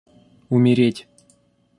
умереть